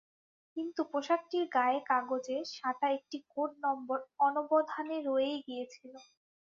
কিন্তু পোশাকটির গায়ে কাগজে সাঁটা একটি কোড নম্বর অনবধানে রয়েই গিয়েছিল।